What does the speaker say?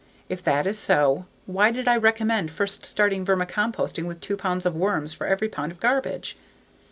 If that is so, why did I recommend first starting vermicomposting with two pounds of worms for every pound of garbage?